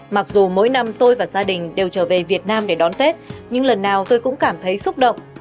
mặc dù mỗi năm tôi và gia đình đều trở về việt nam để đón tết nhưng lần nào tôi cũng cảm thấy xúc động